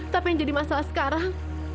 tapi yang jadi masalah sekarang